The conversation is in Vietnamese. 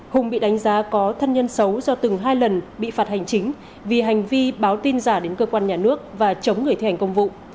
hùng bị đánh giá có thân nhân xấu do từng hai lần bị phạt hành chính vì hành vi báo tin giả đến cơ quan nhà nước và chống người thi hành công vụ